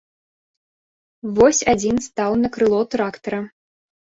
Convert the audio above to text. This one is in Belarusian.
Вось адзін стаў на крыло трактара.